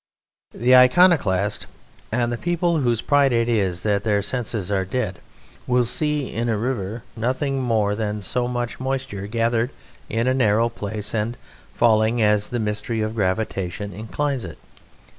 The Iconoclast and the people whose pride it is that their senses are dead will see in a river nothing more than so much moisture gathered in a narrow place and falling as the mystery of gravitation inclines it.